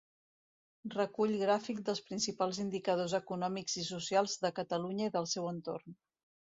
Recull gràfic dels principals indicadors econòmics i socials de Catalunya i del seu entorn.